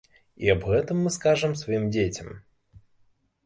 І аб гэтым мы скажам сваім дзецям.